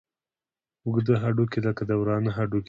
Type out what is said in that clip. اوږده هډوکي لکه د ورانه هډوکي دي.